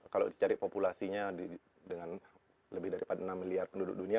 kalau dicari populasinya dengan lebih daripada enam miliar penduduk dunia